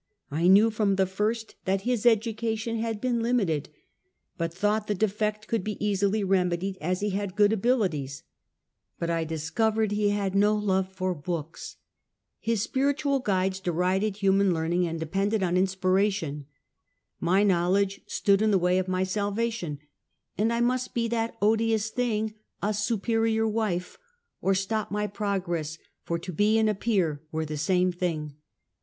I knew from the first that his education had been lim ited, but thought the defect would be easily remedied as he had good abilities, but I discovered he had no love for books. His spiritual guides derided human learning and depended on inspiration. My knowledge stood in the way of my salvation, and I must be that odious thing — a superior wife — or stop my progress, for to be and appear were the same thing.